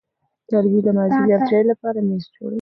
لرګی د مازېګر چای لپاره میز جوړوي.